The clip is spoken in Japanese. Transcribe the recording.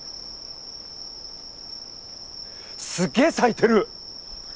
すっげえ咲いてる！